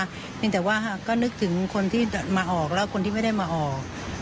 เพียงแต่ว่าก็นึกถึงคนที่มาออกแล้วคนที่ไม่ได้มาออก